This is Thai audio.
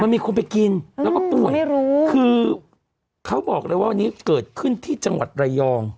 มีคนไปกินแล้วก็ปวดไม่รู้คือเขาบอกเลยว่าวันนี้เกิดขึ้นที่จังหวัดระยอง